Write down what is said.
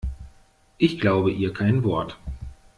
Ich glaube ihr kein Wort.